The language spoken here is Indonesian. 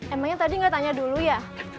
emangnya tadi nggak tanya dulu ya